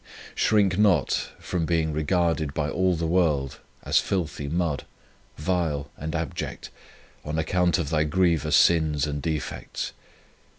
Shrink not from being regarded by all the world as filthy mud, vile and abject, on account of thy grievous sins and defects.